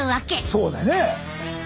そうだね。